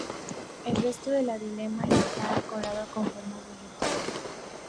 El resto de la diadema está decorado con formas vegetales.